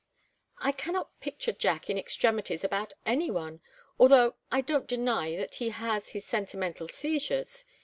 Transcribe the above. "I cannot picture Jack in extremities about any one, although I don't deny that he has his sentimental seizures.